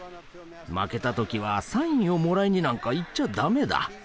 負けた時はサインをもらいになんか行っちゃダメだ。